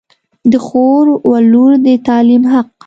د خور و لور د تعلیم حق